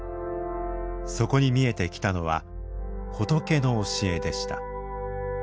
そこに見えてきたのは仏の教えでした。